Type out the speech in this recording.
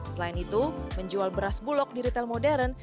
selain itu menjual beras bulog di retail modern